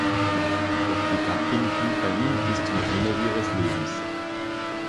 Doch die Gattin blieb bei ihm bis zum Ende ihres Lebens.